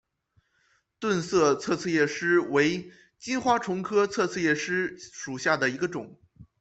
钝色侧刺叶蚤为金花虫科侧刺叶蚤属下的一个种。